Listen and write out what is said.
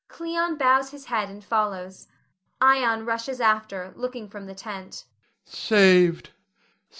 [Cleon bows his head and follows. Ion rushes after, looking from the tent.] Ion. Saved!